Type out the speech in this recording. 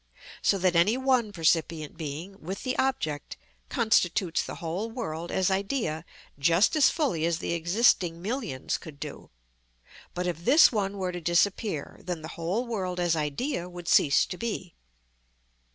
So that any one percipient being, with the object, constitutes the whole world as idea just as fully as the existing millions could do; but if this one were to disappear, then the whole world as idea would cease to be.